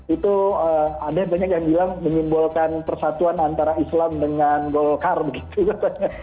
itu ada banyak yang bilang menyimbolkan persatuan antara islam dengan golkar begitu katanya